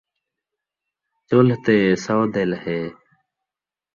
چُلھ تے سو دِل ہے